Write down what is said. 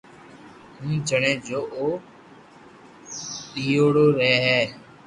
ھون جڻي جو او رييايوڙي رھي ھيي